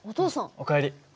お帰り。